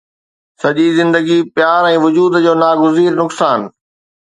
سڄي زندگي پيار ۽ وجود جو ناگزير نقصان